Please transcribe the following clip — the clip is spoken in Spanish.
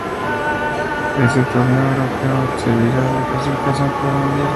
Este Torneo Europeo servirá de clasificación para el Mundial.